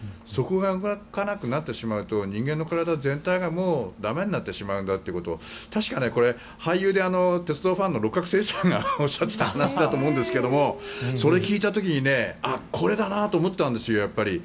そこが動かなくなってしまうと人間の体全体がもう駄目になってしまうんだということを確かこれ、俳優で鉄道ファンの六角精児さんがおっしゃっていた話だと思うんですがそれを聞いた時にあっ、これだなと思ったんです。